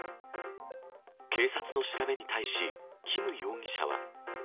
警察の調べに対し、キム容疑者は。